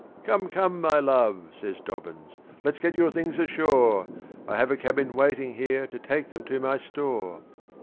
"Come, come, my love!" says Dobbins, "let's get your things ashore; I have a cab in waiting here to take them to my store."